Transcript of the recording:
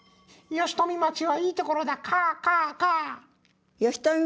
吉富町はいいところだカァカァ。